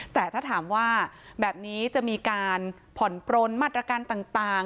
แต่ถ้าถามว่าแบบนี้จะมีการผ่อนปลนมาตรการต่าง